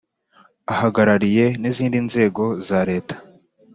ahagarariye n izindi nzego za Leta